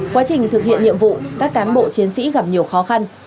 quá trình thực hiện nhiệm vụ các cán bộ chiến sĩ gặp nhiều khó khăn